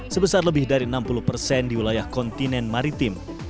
sebesar lebih dari enam puluh persen di wilayah kontinen maritim